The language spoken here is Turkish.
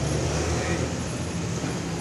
Heey!